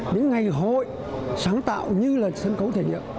những ngày hội sáng tạo như là sân khấu thể nghiệm